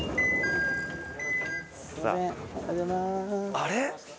あれ？